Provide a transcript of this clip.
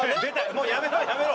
もうやめろやめろ。